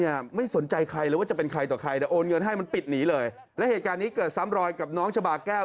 อยากให้เขาออกมาแล้วผิดชอบเรื่องนี้ด้วยอ่ะค่ะ